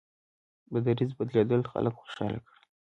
د دریځ بدلېدل خلک خوشحاله کړل.